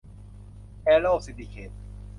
แอร์โรว์ ซินดิเคท